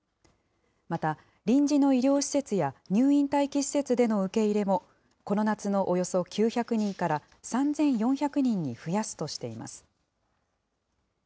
また、臨時の医療施設や入院待機施設での受け入れも、この夏のおよそ９００人から、３４００人に増やすとしています。